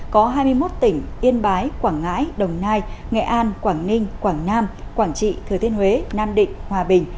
có hai mươi một tỉnh yên bái quảng ngãi đồng nai nghệ an quảng ninh quảng nam quảng trị thừa thiên huế nam định hòa bình